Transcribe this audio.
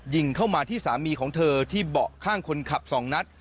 ยิงเข้ามาที่สามีของเธอที่เบาะข้างคนขับสองนัด